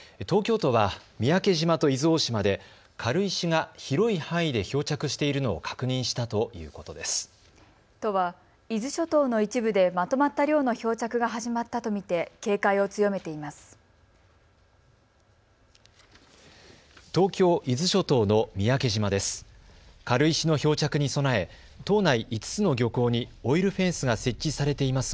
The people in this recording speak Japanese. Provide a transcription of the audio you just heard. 都は伊豆諸島の一部でまとまった量の漂着が始まったと見て警戒を強めています。